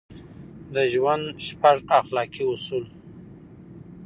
د ژوند شپږ اخلاقي اصول: